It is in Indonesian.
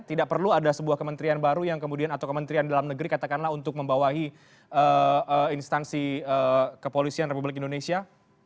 tidak perlu ada sebuah kementerian baru yang kemudian atau kementerian dalam negeri katakanlah untuk membawahi instansi kepolisian republik indonesia